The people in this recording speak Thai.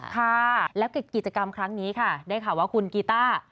ค่ะแล้วกิจกรรมครั้งนี้ค่ะได้ข่าวว่าคุณกีต้า